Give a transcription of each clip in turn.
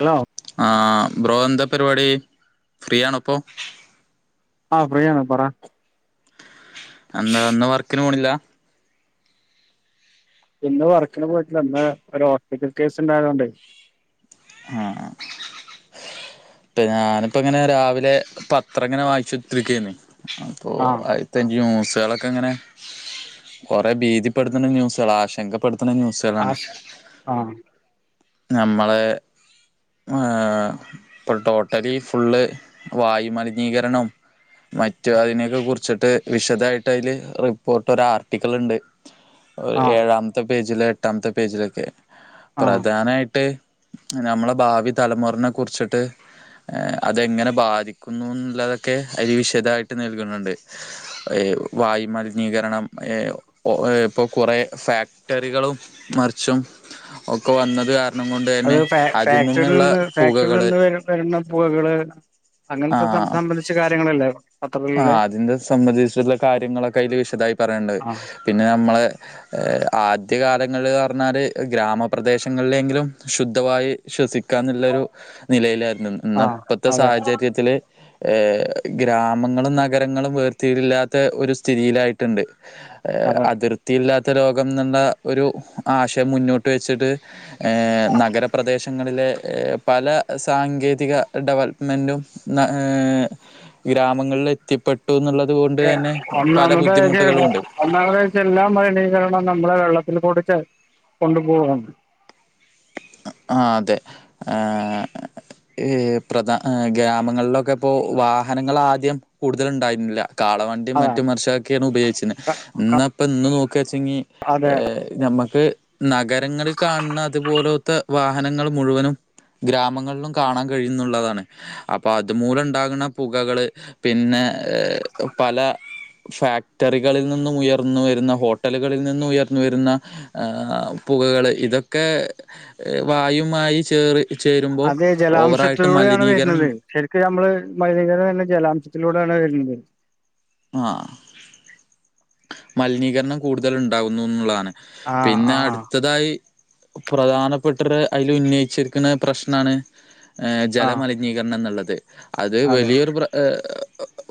hello ആ bro എന്ത പരിപാടി ഫ്രീ ആണപ്പൊ ആ ഫ്രീയാണ് പറ എന്നാ ഇന്ന് വർക്കിന് പോണില്ല ഇന്ന് വർക്കിന് പോയിട്ടില്ല ഇന്ന് ഒരു ഹോസ്പിറ്റൽ കേസ് ഇണ്ടായതോണ്ടെ ആ ഞാനിപ്പ ഇങ്ങനെ രാവിലെ പത്രം എങ്ങനെ വായിച്ചുത്തിരിക്കണി അപ്പൊ ആ ആയിത്ത അഞ്ച് കുട്ടികളെങ്ങനെ കൊറെ ഭീതിപ്പെടുത്തുന്ന ന്യൂസുകള ആശങ്കപ്പെടു അത്തരം ന്യൂസുകളാണ് ആശ ആ നമ്മളെ ആ ഇപ്പൊ ടോട്ടലി ഫുള്ള് വായുമലിനീകരണം മറ്റു അതിനെയൊക്കെ കുറിച്ചിട്ട് വിശദായിട്ട് അതില് റിപ്പോർട്ട് ഒരു ആർട്ടിക്കിൾ ഉണ്ട് ഒരു ആ ഏഴാമത്തെ പേജില് എട്ടാമത്തെ പേജിലൊക്കെ ആ ട്ട് നമ്മളെ ഭാവി തലമുറനെ കുറിച്ചിട്ട് അതെങ്ങനെ ബാധിക്കുന്നു എന്നുള്ളതൊക്കെ അതിവിശദായിട്ട് നൽകുന്നുണ്ട് വായു മലിനീകരണം ഇപ്പൊ കുറെ ഫാക്ടറികളും മറിച്ചും ഒക്കെ വന്നത് കാരണം കൊണ്ട് അത് തന്നെ ഫാ അതിൽ ഫാക്ടറിൽ നിന്നുള്ള നിന്ന് ഫാക്ടറിൽ പുകകൾ നിന്ന് വ വരുന്ന പുകകള് അങ്ങനത്തെ സംബന്ധിച്ച് കാര്യങ്ങളല്ലേ ആ പത്രത്തിലുള്ള അതിൻ്റെ സംബന്ധിച്ചിട്ടുള്ള കാര്യങ്ങളൊക്കെ അതിൽ വിശദായി പറയേണ്ടത് ആ പിന്നെ നമ്മളെ ആദ്യകാലങ്ങള് പറഞ്ഞാൽ ഗ്രാമപ്രദേശങ്ങളിലെങ്കിലും ശുദ്ധവായു ശ്വസിക്കും ക്കാം എന്നുള്ളരു നിലയിലായിരുന്നു ആ ഇ ഇപ്പത്തെ അതെ സാഹചര്യത്തില് ഗ്രാ ഗ്രാമങ്ങളും നഗരങ്ങളും വേർത്തില്ലാത്ത ഒരു സ്ഥിതിയിലായിട്ടുണ്ട് അതെ അതിർത്തിയില്ലാത്ത ലോകം എന്ന്ണ്ട ഒരു ആശയം മുന്നോട്ട് വെച്ചിട്ട് നഗരപ്രദേശങ്ങളിലെ പല സാങ്കേതിക ഡെവലപ്മെന്റും ഗ്രാമങ്ങളിൽ എത്തിപ്പെട്ടു എന്നുള്ളത് കൊണ്ട് തന്നെ പല ഒന്നാമത് ബുദ്ധിമുട്ടുകളുണ്ട് ഒന്നാമത്ച്ച എല്ലാം മലിനീകരണം നമ്മളെ വെള്ളത്തിൽ കുടിച്ച കൊണ്ടുപോവുന്നുണ്ട് ആ അതെ ഏ പ്രധാ ഗ്രാമങ്ങളിലൊക്കെ ഇപ്പോ വാഹനങ്ങൾ ആദ്യം കൂടുതല് ഉണ്ടായിരുന്നില്ല കാളവണ്ടിയും അതാ മറ്റും വർഷൊക്കെയാണ് ഉപയോഗിച്ചത് ഇന്നപ്പ ഇന്ന് നോക്ക ചെങ്ങി അതെ നമ്മുക്ക് നഗരങ്ങളിൽ കാണുന്ന ഇതുപോലത്തെ വാഹനങ്ങൾ മുഴുവനും ഗ്രാമങ്ങളിലും കാണാൻ കഴിയുന്നുള്ളതാണ് അപ്പ അതുമൂലം ഉണ്ടാകുന്ന പുകകള് പിന്നെ പല ഫാക്ടറികളിൽ നിന്നും ഉയർന്ന വരുന്ന ഹോട്ടലുകളിൽ നിന്നും ഉയർന്നു വരുന്ന ആ പുകകൾ ഇതൊക്കെ വായുമായി ചേറി ചേരുമ്പോൾ അതെ ഓവറായിട്ട് ജലാംശത്തിലൂടെയാണ് മലിനീകരണം വരുന്നത് ശരിക്കും നമ്മള് മലിനീകരണം എല്ലാം ജലാംശത്തിലൂടെ എന്താണ് ആ മലിനീകരണം കൂടുതൽണ്ടാകുന്നുന്നുള്ളതാണ് ആ പിന്നെ ആ ആ അട്ത്തതായി പ്രധാനപ്പെട്ടര് അതിൽ ഉന്നയിച്ചിരിക്കുന്ന പ്രശ്നാണ് ഏ ജല ആഹ് മലിനീകരണം എന്നുള്ളത് അത് അതെ വലിയൊരു പ്ര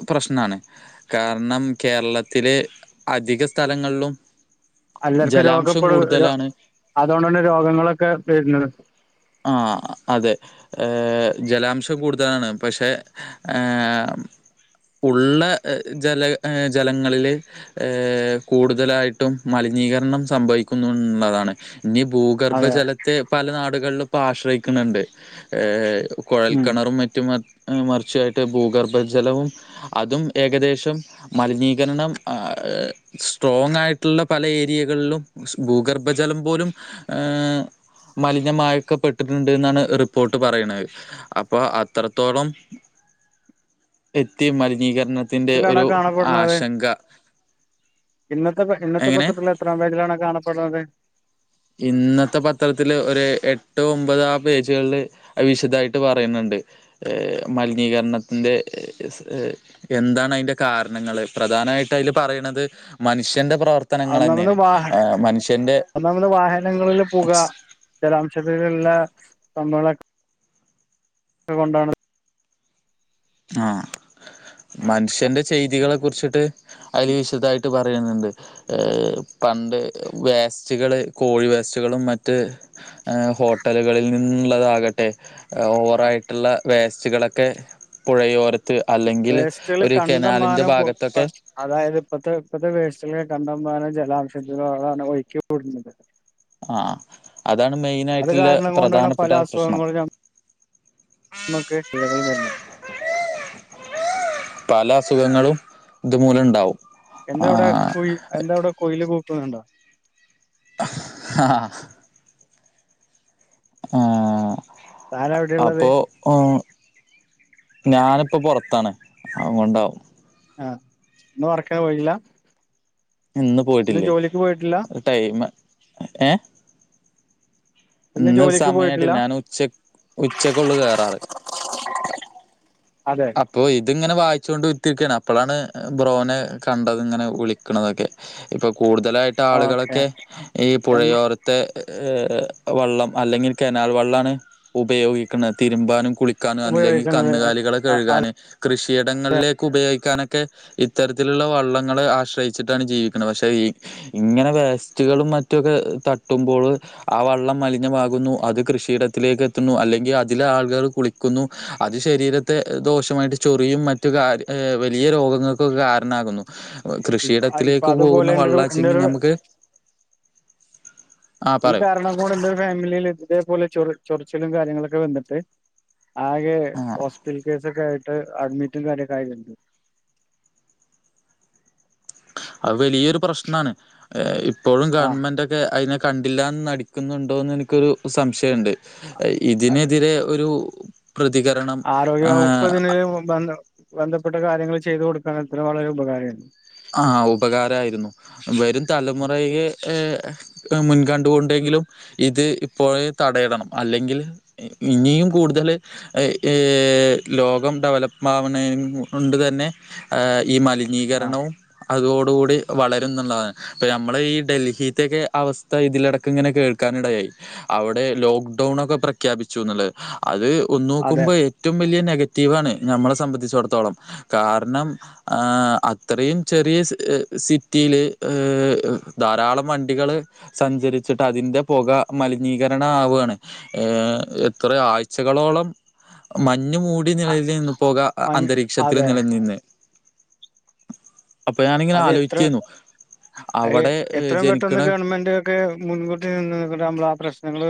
പ്രശ്നാണ് കാരണം കേരളത്തില് അധിക സ്ഥലങ്ങളിലും അല്ലർക്കും ജലാംശം രോഗപ്പള് രോ കൂടുതലാണ് അതോണ്ടാണ് രോഗങ്ങളൊക്കെ വര്ണത് ആ അതെ ജലാംശം കൂടുതലാണ് പക്ഷെ ഉം ഉള്ള ജല ജലങ്ങളിൽ ഏ കൂടുതലായിട്ടും മലിന നീകരണം സംഭവിക്കുന്നുള്ളതാണ് ഇനി അതെ ഭൂഗർഭജലത്തെ പല നാടുകൾലും ഇപ്പോ ആശ്രയിക്കുന്നുണ്ട് ഏ ഉം കൊഴൽക്കെണറും മറ്റും വ മർച്ചായിട്ട് ഭൂഗർഭജലവും അതും ഏകദേശം മലിനീകരണം ആ സ്ട്രോങ് ആയിട്ടുള്ള പല ഏരിയകളിലും ഭൂഗർഭജലം പോലും മലിനമായി ഒക്കപ്പെട്ടിട്ട്ണ്ട്ന്നാണ് റിപ്പോർട്ട് പറയ്ണെ അപ്പൊ അത്രത്തോളം എത്തി മലിനീകരണത്തിന്റെ ത്തിലാണോ ഒരു കാണപ്പെടുന്നത് ആശങ്ക ഇന്നത്തെ ഇന്നത്തെ എങ്ങനെ പത്രത്തില് എത്രാം പേജിലാണത് കാണപ്പെടുന്നത് ഇന്നത്തെ പത്രത്തില് ഒരപ എട്ട് ഒമ്പത് ആ പേജ്കള്ല് അത് വിശദായിട്ട് പറയ്ന്ന് ത് മലിനീകരണത്തിന്റെ സ് എന്താണ്ന്റെ കാരണങ്ങള് പ്ര പ്രധാനായിട്ട് അയ്ല് പറയ്ണത് മനുഷ്യന്റെ പ്രവർത്തനങ്ങളെന്നേണ് ആ മനുഷ്യന്റെ വാഹനങ്ങളിലെ പുക ജലാംശത്തില്ള്ളെ സംഭങ്ങവളൊക്കെ കൊണ്ടാണ് ആ മനുഷ്യന്റെ ചെയ്തികളെ കുർച്ചിട്ട് അയ്ല് വിശദായിട്ട് പറ പറയുന്നുണ്ട് പണ്ട് വേസ്റ്റ്കൾ കോഴി വേസ്റ്റ്കളും മറ്റ് ഏ ഹോട്ടലുകളിൽനിന്നുള്ളതാക ട്ടെ ഓവറായിട്ട്ള്ള വേസ്റ്റുകളൊക്കെ പുഴയോര വേസ്റ്റുകൾ കണ്ടമാനം ഭാഗത്തൊക്കെ [unintelligible] അതായത് ഇപ്പത്തെ ഇപ്പത്തെ വേസ് [unintelligible] കണ്ടമാനം ജലാംശത്തിലാണ് ഒഴ്ക്കി വിട്ന്നത് ആ അതാണ് മെയിനായിട്ട്ള്ള കാരണം പ്രധാനപ്പെട്ട പ്രശ്നം നമുക്ക്ട്ടഴകൾ [unintelligible] പല അസുഖങ്ങളും ത് മൂലംണ്ടാവും എന്താവിടെ കുയി എന്താവിടെ കുയില് കൂക്കുന്നുണ്ടോ ആ താൻ എവിടെള്ളത് അപ്പോ ഞാനിപ്പോ പൊറത്താണ് അത്കൊണ്ടാവും ആ ഇന്ന് വർക്കിന് പോയില്ല ഇന്ന് പോയിട്ടില്ലേ ജോലിക്ക് പോയിട്ടില്ല ടയ്മ് ഏ ഇന്ന് ജോലിക്ക് പോയിട്ടില്ല സമയായിട്ടില്ല ഞാന് ഉച്ച ഉച്ചക്കൊള്ളു കേറാറ് അതെ അപ്പൊ ഇതിങ്ങനെ വായി [unintelligible] അപ്പൊളാണ് ബ്രോനെ കണ്ടത്ങ്ങനെ വിളിക്ക്ണതൊക്കെ ഇപ്പ കു കൂടുതലായിട്ട് ഓക്കെ ആളുകളൊക്കെ ഈ എന്ന് പുഴയോരത്തെ ഏ വള്ളം അല്ലെങ്കിൽ കെനാൽ വള്ളാണ് ഉപയോഗിക്കുന്നെ തിരുമ്പാനും കുളിക്കാനും അല്ലെങ്കിൽ ഉപയോഗിക്കുന്നത് കന്നുകാലികളെ അ കഴ്കാന് കൃഷിയിടങ്ങളിലേക്ക് ഉപയോഗിക്കാനൊക്കെ ഇത്തരത്തിലുള്ള വള്ളങ്ങൾ ആശ്രയിച്ചിട്ടാണ് ജീവിക്കുന്നത് പക്ഷെ ഇങ്ങനെ വേസ്റ്റുകളും മറ്റാെക്കെ തട്ടുമ്പോള് ആ വള്ളം മലിനമാകുന്നു അത് കൃഷിയിടത്തിലേക്ക് എത്തുന്നു അല്ലെങ്കിൽ അതിൽ ആൾകൾ കുളിക്കുന്നു അത് ശരീര ദോഷമായിട്ട് ചൊറിയും മറ്റു കാര്യ വലിയ രോഗങ്ങൾക്കൊക്കെ കാരണാകുന്നു ഇപ്പൊ കൃഷിയിടത്തിലേക്ക് അതുപോലെ പോകുന്ന എന്റെ ഒരു എന്റെ വെള്ളാച്ചെങ്കി ഒരു നമുക്ക് ആഹ് ഈ പറയൂ പറഞ്ഞപോലെ ന്റെ ഒരു ഫാമിലിയിൽ ഇതേപോലെ ചൊ ചൊറിച്ചിലും കാര്യങ്ങളൊക്കെ വന്നിട്ട് ആകെ ആഹ് ഹോസ്പിറ്റൽ കേസൊക്കെ ആയി അഡ്മിറ്റ കാര്യൊക്കയണ്ട് അത് വലിയൊരു പ്രശ്നമാണ് ഇപ്പോഴും ആ ഗവൺമെന്റൊക്കെ അതിനൊക്കെ കണ്ടില്ലന്ന് നടിക്കുന്നുണ്ടോന്ന് എനിക്കൊരു സംശയമുണ്ട് ഇതിനെതിരെ ഒരു പ്രതികരണം ആരോഗ്യ ഏഹ് ഉപ്പതിില വ ഇപ്പെട്ട കാര്യങ്ങൾ ചെയ്ത് കൊടുക്കാൻ അത്ര വളരെ ഉപകാരമാണ് ആ ഉപകാരമായിരുന്നു വരും തലമുറയെ ഏ മുൻകണ്ടുക കൊണ്ടെങ്കിലും ഇത് ഇപ്പോൾ തടയടണം അല്ലെങ്കിൽ ഇനിയും കൂടുതൽ ലോകം ഡെവലപ്പ് ആവുന്ന കൊണ്ട് തന്നെ ഈ ആ മലിനീകരണവും അതോടുകൂടി വളരും നുള്ളതാണ് ഇപ്പ നമ്മൾ ഈ ഡൽഹിത്തൊക്കെ അവസ്ഥ ഇതിലിടക്ക ഇങ്ങനെ കേൾക്ക ാനിടയായി അവിടെ ലോക്ക്ഡൗൺൊക്കെ പ്രഖ്യാപിച്ചുുള്ള അത് ഒന്ന അതെ നോക്കുമ്പോൾ ഏറ്റവും വലിയ നെഗറ്റീവാണ് നമ്മളെ സംബന്ധിച്ചിടത്തോളം കാരണം അത്രയും ചെറിയ സിറ്റിയില് ധാരാളം വണ്ടികള് സഞ്ചരിച്ചിട്ട് അതിന് ഇന്റെ പുക മലിനീകരണ ആവുകയാണ് ഏർ എത്ര ആഴ്ചകളോളം മഞ്ഞ മൂടി അ നിലൽ നിന്നു പോക മൻ അന്തരീക്ഷത്തിൽ അതെ നിലനിന്ന് അപ്പൊ ഞാനിങ്ങനെ ആലോചിക്കേുന്നു അ എത്രയും പെട്ടന്ന് ഗവൺമെന്റ് ഒക്കെ മുൻകൂട്ടി നിന്ന നമ്മൾ ആ പ്രശ്നം ഞങ്ങള്ോ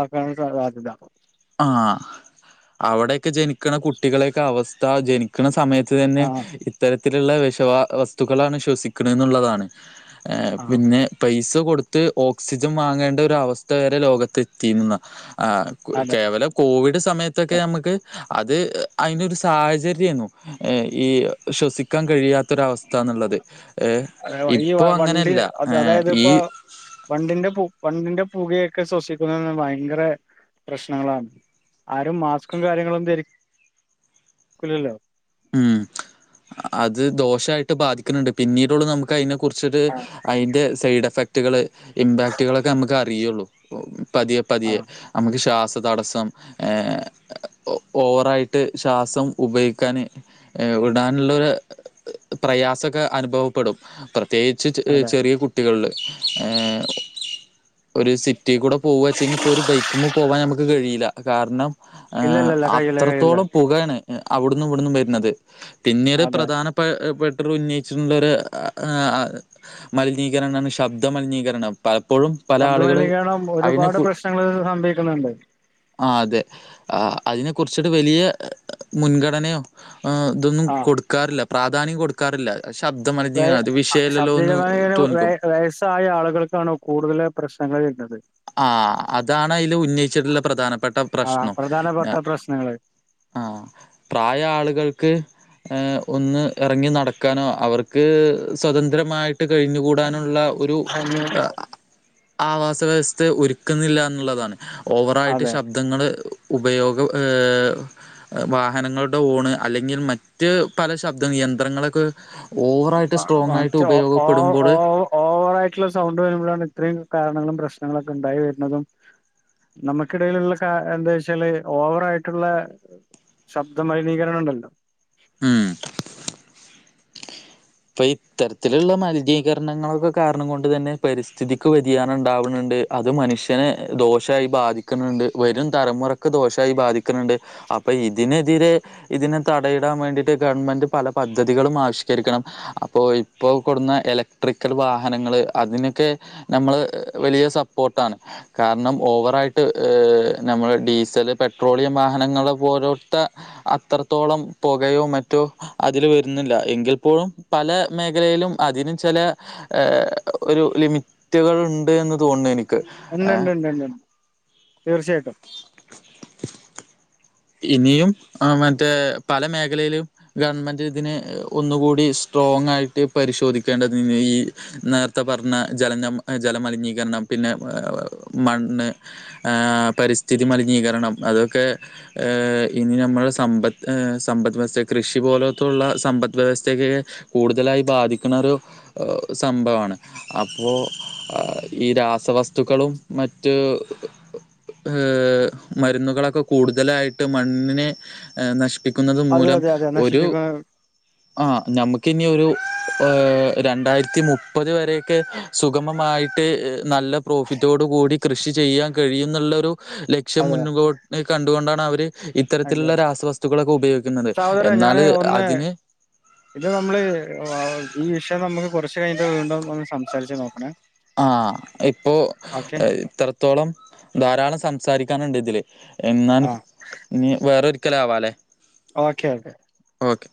ആക്കാൻ സാധ്യതും ആ അവിടെയൊക്കെ ജനിക്കണ കുട്ടികളെയൊക്കെ അവസ്ഥ ജനിക്കണ സമയത്ത് തന്നെ ആഹ് ഇത്തരത്തിലുള്ള വിഷവാ വസ്തുക്കളാണ് ശ്വസിക്കണ എന്നുള്ളതാണ് ആഹ് പിന്നെ പൈ പൈ കൊടുത്ത് ഓക്സിജൻ വാങ്ങേണ്ട ഒരു അവസ്ഥ വരെ ലോകത്ത് എത്തി അതെ കേവലം കോവിഡ് സമയത്തൊക്കെ നമുക്ക് അത് അതിനൊരു സാഹചര്യരുന്നു ഈ ശ്വസിക്കാൻ കഴിയാത്ത ര അവസ്ഥന്നുള്ളത് ഏ അതെ, ഈ ഇപ്പോൊ വ- വണ്ടി അങ്ങനെയല്ല അത് ഏർ അതായത് ഈ ഇപ്പോ വണ്ടിന്റെ വണ്ടിന്റെ പുകയൊക്കെ ശ്വസിക്കുന്ന ഭയങ്കര പ്രശ്നങ്ങളാണ് ആരും മാസ്ക്കും കാര്യങ്ങളും ധല്ലോ ഉം അത് ദോഷായിട്ട് ബാധിക്കുന്നുണ്ട് പിന്നീടുള്ള നമുക്ക് അതിനെ കുറിച്ച് കുറ ആഹ് അതിന്റെ സൈഡ് എഫക്റ്റുകൾ ഇമ്പാക്ടുകളൊക്കെ നമുക്ക് അറിയുള്ളൂ പതിയെ പതിയെ ആഹ് നമുക്ക് ശ്വാസ തടസ്സം ഓവറായിട്ട് ശ്വാസം ഉപയോഗിക്കാൻ ഇടാനുള്ളൊരു പ്രയാസൊക്കെ അനുഭവപ്പെടും പ്രത്യേകിച്ച് അതെ ചെറിയ കുട്ടികളിൽ ഒരു സിറ്റിൽ കൂടെ പോവ വച്ചെങ്കിൽ ഇപ്പൊ ഒരു ബൈക്ക്മ്മേ പോവാൻ നമുക്ക് കഴിയില്ല കാരണം ഏ ഇല്ലല്ലല്ല കഴിയില്ല കഴിയില്ല അത്രത്തോളം പുകയാണ് അവിടുന്നു ഇവിടന്നും വരുന്നത് പിന്നീട് അതെ പ്രധാന പ ഉന്നയിച്ചിട്ടുള്ള ഒരു മലിനീകരണമാണ് ശബ്ദമലിനീകരണം ശബ്ദമലിനീകരണം ഒരുപാട് പ്രശ്നങ്ങൾ ഇ സംഭവിക്കുന്നുണ്ട് ആ അതെ അതിനെ കുറിച്ചിട്ട് വലിയ മുൻഗണനയോ ഇതൊന്നും ആഹ് കൊടുക്കാറില്ല പ്രാധാന്യം കൊടുക്കാറില്ല ശബ്ദ മലിനീകരണം അത് വിഷയല്ലല്ലോ ശബ്ദ എന്ന് തോന്നിക്കും വയസ്സായ ആളുകൾക്കാണോ കൂടുതൽ പ്രശ്ന ഞങ്ങൾ വർണത് [unintelligible] ആ അതാണ് അതിൽ ഉന്നയിച്ചിട്ടുള്ള പ്രധാനപ്പെട്ട ആഹ് പ്രശ്നം പ്രധാനപ്പെട്ട പ്രശ്നങ്ങള് ആ പ്രായ ആള്കൾക്ക് ഹ ഒന്ന് ഇറങ്ങി നടക്കാനോ അവർക്ക് സ്വതന്ത്രമായിട്ട് ഇട്ട് കഴിഞ്ഞുകൂടാനുള്ള ഒരു ഒന്ന് ആവാസ വ്യവസ്ഥയ ഒരുക്കുന്നില്ല എന്നുള്ളതാണ് ഓവറായിട്ട് അതെ ശബ്ദങ്ങള്ൾ ഉപയോഗം വാഹനങ്ങളുടെ ഓണ് അല്ലെങ്കിൽ മറ്റ് പല ശബ്ദങ്ങ യന്ത്രങ്ങളൊക്കെ ഓവറായിട്ട് സ്ട്രോങ് ആയിട്ട് മറ്റേ ഓ ഓ ഓ ഉപയോഗപ്പെടുമ്പോള് ഓവറ് ആയിട്ടുള്ള സൗണ്ട് വരുമ്പോഴാണ് ഇത്രയും കാരണങ്ങളും പ്രശ്നങ്ങളൊക്കെ ഇണ്ടായി വരുന്നതും നമുക്കിടയിലുള്ള കാ എന്താ വച്ചാല് ഓവറ് ആയിട്ടുള്ള ശബ്ദ മലിനീകരണം ഇണ്ടല്ലോ മ്മ് ഇപ്പൊ ഇത്തരത്തിലുള്ള മലിനീകരണങ്ങളളൊക്കെ കാരണം കൊണ്ട് തന്നെ പരിസ്ഥിതിക്ക് വ്യതിയാനം ഇണ്ടാവണണ്ട് ണ്ട് അത് മനുഷ്യനെ ദോഷായി ബാധിക്കണുണ്ട് വരും തലമുറക്ക് ദോഷമായി ബാധിക്കണുണ്ട് അപ്പോ ഇതിനെതിരെ ഇതിനെ തടയിടാൻ വേണ്ടിയിട്ട് ഗവൺമെൻറ് പല പദ്ധതികളും ആവിഷ്കരിക്കണം അപ്പോ ഇപ്പോ കൊണ്ടുന്ന ഇലക്ട്രിക്കൽ വാഹനങ്ങള് അതിനൊക്കെ നമ്മള് വലിയ സപ്പോർട്ടാണ് കാരണം ഓവറായിട്ട് നമ്മള് ഡീസൽ പെട്രോളിയം വാഹനങ്ങള് പോരട്ട അത്രത്തോളം പുകയോ മറ്റോ അതിൽ വരുന്നില്ല എങ്കിൽ ഇപ്പോഴും പല മേഖലയിലും അതിന് ചില ഒരു ലിമിറ്റുകൾ ഇണ്ട് എന്ന് തോന്ന്ണ്ട് എനിക്ക് ഉണ്ട്ണ്ട്ണ്ട് തീർച്ചയായിട്ടും ഇനിയും മറ്റേ പല മേഖലയിലും ഗവൺമെന്റ് ഇതിന് ഒന്നുകൂടി സ്ട്രോങ് ആയിട്ട് പരിശോധിക്കേണ്ടത് ഈ നേരത്തെ പറഞ്ഞ ജല ജല മലിനീകരണം പിന്നെ മണ്ണ് പരിസ്ഥിതി മലിനീകരണം അതൊക്കെ ഇനി നമ്മുടെ സമ്പത്ത് സമ്പദ് വ്യവസ്ഥ കൃഷി പോലത്തുള്ള സമ്പദ് വ്യവസ്ഥക്ക് കൂടുതലായി ബാധിക്കുന്ന ഒരു സംഭവമാണ് അപ്പോ ഈ രാ രാസവസ്തുക്കളും മറ്റ് ഏ മരുന്നുകളൊക്കെ കൂടുതലായിട്ട് ട്ട് മണ്ണിനെ നശി പ്പിക്കുന്നത് അതെ മൂലം അതെ അതെ ഒരു നശിപ്പിക്കുന്ന ആ നമുക്ക് ഇനി ഒരു ഏഹ് രണ്ടായിരത്തി മുപ്പത് വരെയൊക്കെ സുഗമമായിട്ട് നല്ല പ്രോഫിറ്റോട് കൂടി കൃഷി ചെയ്യാൻ കഴിയും എന്നുള്ളൊരു ലക്ഷ്യം അതെ മുൻമ്പോട്ട് കണ്ടുകൊണ്ടാണ് അവര് അതെ ഇത്തരത്തിലുള്ള രാസവസ്തുക്കളൊക്കെ ഉപയോഗിക്കുന്നത് സഹോദര ഞാന് എന്നാല് ഒന്ന് അതിന് ഇത് നമ്മള് ഈ വിഷയം നമുക്ക് കുറച്ച് കഴിഞ്ഞ് വീണ്ടോന്ന് സംസാരിച്ച് നോക്ക ആ ഇപ്പോ ഓക്കെ ഇത്രത്തോളം ധാരാളം സംസാരിക്കാനുണ്ട് ഇതില് എന്ന ആ ഇനി വേറൊരിക്കല് ആവാല്ലേ ഓക്കെ ഓക്കെ ഓക്കെ